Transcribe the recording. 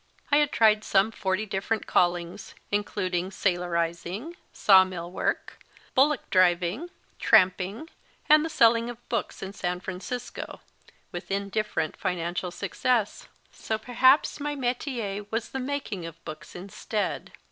I had tried some forty differ ent callings, including sailorising, saw mill work, bullock driving, tramping, and the selling of books in San Francisco, with indifferent financial success, so perhaps my metier was the making of books instead.